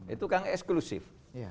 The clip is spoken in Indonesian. itu kan eksklusif